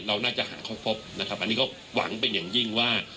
เราน่าจะหาเขาพบนะครับอันนี้ก็หวังเป็นอย่างยิ่งว่า